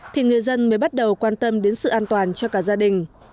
thì người dân mới bắt đầu quan tâm đến sự an toàn cho cả gia đình